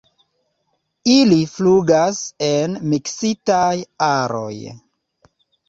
Ili flugas en miksitaj aroj.